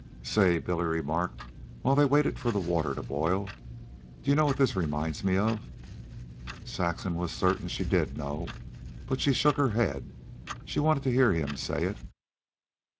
"Say," Billy remarked, while they waited for the water to boil, "d'ye know what this reminds me of?" Saxon was certain she did know, but she shook her head. She wanted to hear him say it.